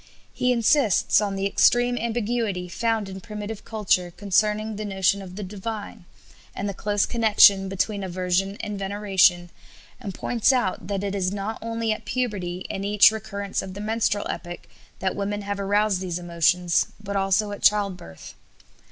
He insists on the extreme ambiguity found in primitive culture concerning the notion of the divine, and the close connection between aversion and veneration, and points out that it is not only at puberty and each recurrence of the menstrual epoch that women have aroused these emotions, but also at childbirth.